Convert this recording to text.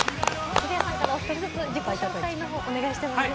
渋谷さんからお１人ずつ、自己紹介をお願いします。